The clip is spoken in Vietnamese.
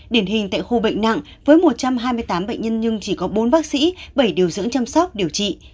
điển hình tại khu bệnh nặng với một trăm hai mươi tám bệnh nhân nhưng chỉ có bốn bác sĩ bảy điều dưỡng chăm sóc điều trị